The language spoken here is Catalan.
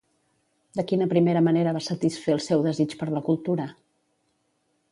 De quina primera manera va satisfer el seu desig per la cultura?